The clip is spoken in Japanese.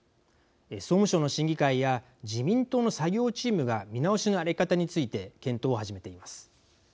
総務省の審議会や自民党の作業チームが見直しの在り方について検討を始めています。